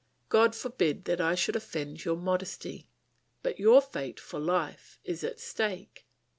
God forbid that I should offend your modesty! But your fate for life is at stake.